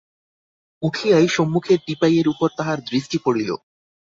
উঠিয়াই সম্মুখের টিপাইয়ের উপর তাহার দৃষ্টি পড়িল।